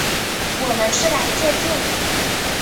我们是来借住的